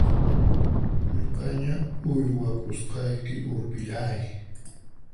Nuqaña uywakusqayki urpillay!